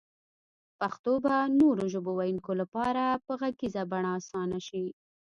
پښتو به نورو ژبو ويونکو لپاره په غږيزه بڼه اسانه شي